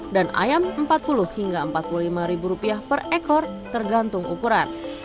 dan ayam empat puluh hingga empat puluh lima ribu rupiah per ekor tergantung ukuran